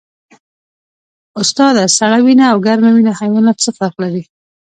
استاده سړه وینه او ګرمه وینه حیوانات څه فرق لري